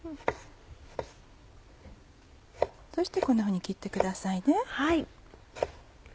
そしてこんなふうに切ってくださいね。